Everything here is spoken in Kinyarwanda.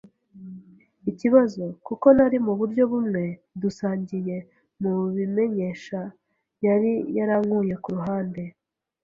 ikibazo, kuko nari, muburyo bumwe, dusangiye mubimenyesha. Yari yarankuye ku ruhande